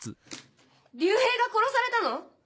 隆平が殺されたの？